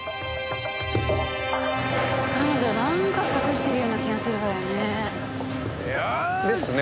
彼女なんか隠してるような気がするのよね。ですね。